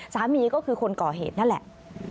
สามีก็คือคนก่อเหตุนั่นแหละ